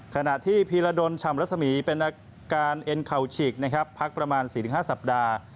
ขณะที่พีลโดนชำระสมีเป็นอาการเอ็นเข่าฉีกพักประมาณ๔๕สัปดาห์